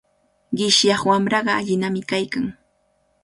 Qishyaq wamraqa allinami kaykan.